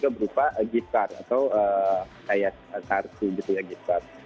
jadi berupa gift card atau kayak kartu gitu ya gift card